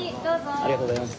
ありがとうございます。